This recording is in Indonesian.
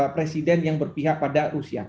presiden yang berpihak pada rusia